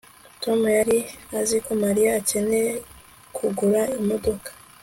Tom yari azi ko Mariya akeneye kugura imodoka